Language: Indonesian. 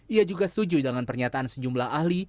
ia juga setuju dengan pernyataan sejumlah ahli